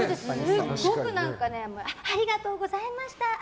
すごくねありがとうございました。